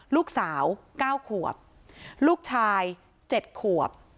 ลูกสาว๙ขวบลูกชาย๗ขวบ